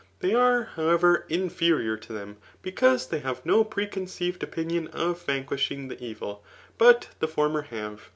They are, however, inferior to them, be cause they have no preconceived opinion of vanquishing the evil ; but the former have.